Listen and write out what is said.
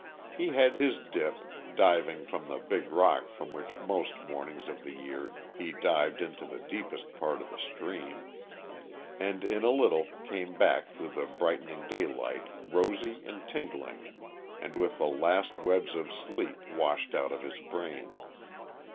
He had his dip, diving from the big rock from which most mornings of the year he dived into the deepest part of the stream; and in a little came back through the brightening daylight rosy and tingling and with the last webs of sleep washed out of his brain.